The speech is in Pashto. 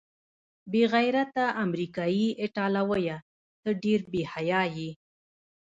بې غیرته امریکايي ایټالویه، ته ډېر بې حیا یې.